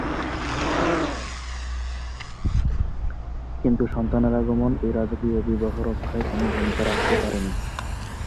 কিন্তু সন্তানের আগমন এই রাজকীয় বিবাহ রক্ষায় কোনও ভূমিকা রাখতে পারেনি।